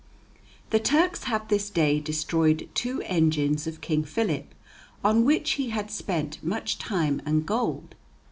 The Turks have this day destroyed two engines of King Philip on which he had spent much time and gold."